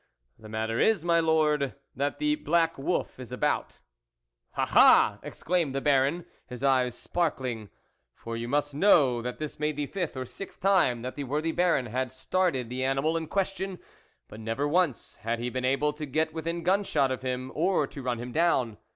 "The matter is, my Lord, that the black wolf is about." " Ah ! ah !" exclaimed the Baron, his eyes sparkling ; for you must know that this made the fifth or sixth time that the worthy Baron had started the animal in question, but never once had he been able to get within gun shot of him or to run him down.